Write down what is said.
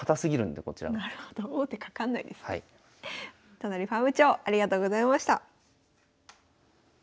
都成ファーム長ありがとうございました。